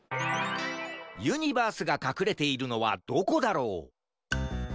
ユニバースがかくれているのはどこだろう？